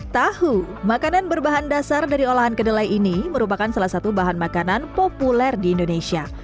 tahu makanan berbahan dasar dari olahan kedelai ini merupakan salah satu bahan makanan populer di indonesia